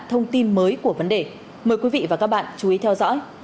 thông tin mới của vấn đề mời quý vị và các bạn chú ý theo dõi